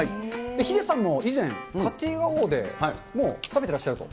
ヒデさんも以前、家庭画報でもう食べてらっしゃると。